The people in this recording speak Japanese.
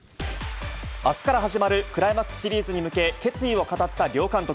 あすから始まるクライマックスシリーズに向け、決意を語った両監督。